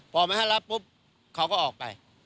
พอไม่ให้รับปุ๊บเขาก็ออกไป